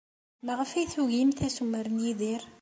Maɣef ay tugimt assumer n Yidir?